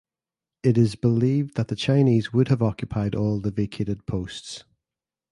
It is believed that the Chinese would have occupied all the vacated posts.